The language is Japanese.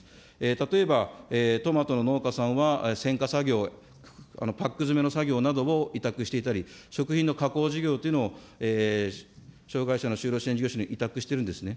例えば、トマトの農家さんは、せんか作業、パック詰めの作業などを委託していたり、食品の加工事業などを、障害者のしゅうえん事業所に委託してるんですね。